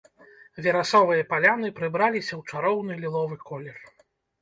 Верасовыя паляны прыбраліся ў чароўны ліловы колер.